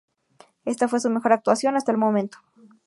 Esta fue su mejor actuación hasta el momento.